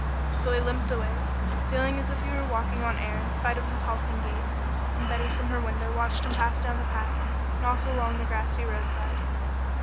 So he limped away, feeling as if he were walking on air in spite of his halting gait, and Betty from her window watched him pass down the path and off along the grassy roadside.